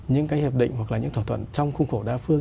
những cái hiệp định hoặc là những thỏa thuận trong khung khổ đa phương